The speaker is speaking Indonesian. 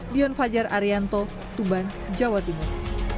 dion fajar arianto tuban jawa timur